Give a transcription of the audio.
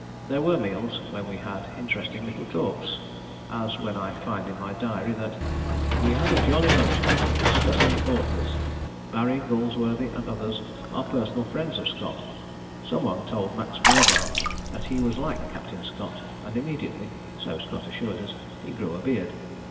There were meals when we had interesting little talks, as when I find in my diary that: "we had a jolly lunch meal, discussing authors. Barrie, Galsworthy and others are personal friends of Scott. Some one told Max Beerbohm that he was like Captain Scott, and immediately, so Scott assured us, he grew a beard."